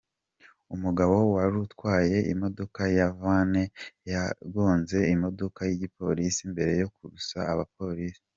Umugabo warutwaye imodoka ya van yagonze imodoka y'igipolisi mbere yo kurasa abapolisi.